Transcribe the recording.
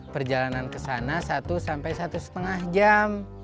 perjalanan ke sana satu sampai satu lima jam